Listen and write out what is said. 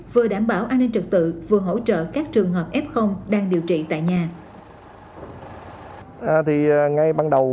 vừa đảm bảo an ninh trật tự vừa hỗ trợ các trường hợp f đang điều trị tại nhà